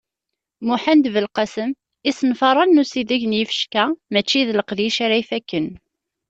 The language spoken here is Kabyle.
Muḥend Belqasem: Isenfaṛen n usideg n yifecka mačči d leqdic ara ifakken.